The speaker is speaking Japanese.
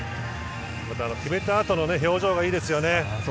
決めたあとの表情がいいですよね。